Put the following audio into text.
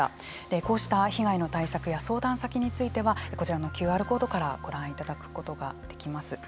こうした被害の対策や相談先についてはこちらのＱＲコードからご覧いただくことができます。